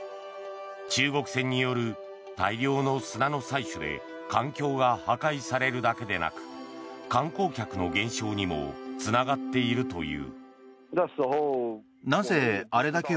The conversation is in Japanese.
中国船による大量の砂の採取で環境が破壊されるだけでなく観光客の減少にもつながっているという。